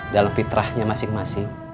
dalam fitrahnya masing masing